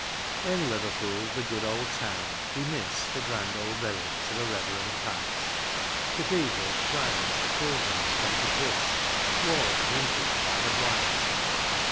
In Liverpool, the good old to\\Ti, we miss The grand old relics of a reverend past, — Cathedrals, shrines that pilgrims come to kiss, — Walls wrinkled by the blast.